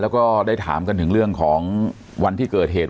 แล้วก็ได้ถามกันถึงเรื่องของวันที่เกิดเหตุ